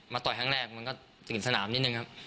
ต่อยครั้งแรกมันก็ถึงสนามนิดนึงครับ